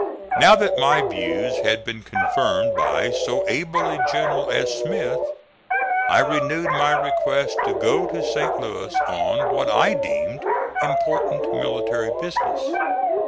Now that my views had been confirmed by so able a general as Smith, I renewed my request to go to St. Louis on what I deemed important military business.